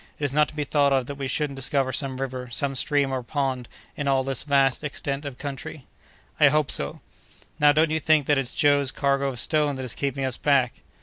"It is not to be thought of that we shouldn't discover some river, some stream, or pond, in all this vast extent of country." "I hope so." "Now don't you think that it's Joe's cargo of stone that is keeping us back?"